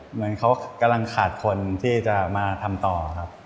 เหมือนเขากำลังขาดคนที่จะมาทำต่อครับ